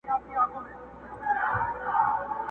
کله هسک ته کله ستورو ته ختلای!!